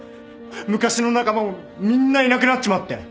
昔の仲間もみんないなくなっちまって